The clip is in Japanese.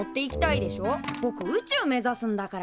ぼく宇宙目ざすんだから。